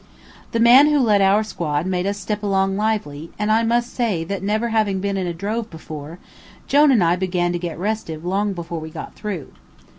The man who led our squad made us step along lively, and I must say that never having been in a drove before, Jone and I began to get restive long before we got through.